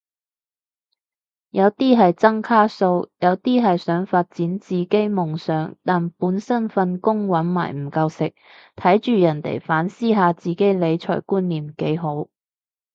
有啲係爭卡數，有啲係想發展自己夢想但本身份工搵埋唔夠食，睇住人哋反思下自己理財觀念幾好